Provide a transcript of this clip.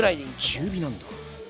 中火なんだ。